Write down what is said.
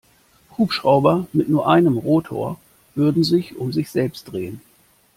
Hubschrauber mit nur einem Rotor würden sich um sich selbst drehen.